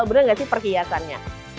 bener gak sih perhiasannya